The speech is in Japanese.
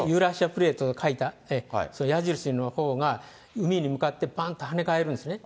プレートと書いた、その矢印のほうが海に向かってぱんと跳ね返るんですね。